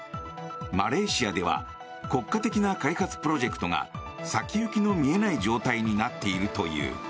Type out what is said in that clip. マレーシアでは国家的な開発プロジェクトが先行きの見えない状態になっているという。